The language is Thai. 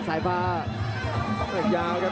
สายฟ้าแฮกย่าวครับ